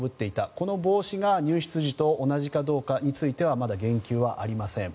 この帽子が入室時と同じかどうかについてはまだ言及はありません。